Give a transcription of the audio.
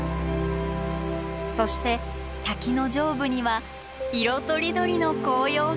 そして滝の上部には色とりどりの紅葉が。